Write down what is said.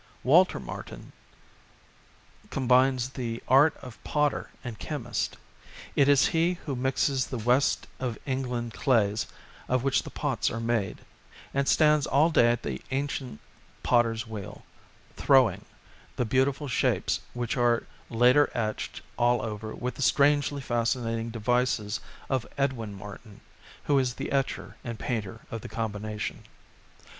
Walter Martin ^ combines the art of potter and chemist ; it is he who mixes the West of England clays of which the pots are made, and stands all day at the ancient potter's wheel, " throwing " the beautiful shapes which are later etched all over with the strangely fascinating devices of Edwin Martin, who is the etcher and painter of the combination.